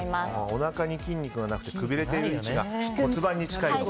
おなかに筋肉がなくてくびれている位置が骨盤に近いと。